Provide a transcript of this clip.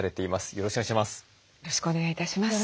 よろしくお願いします。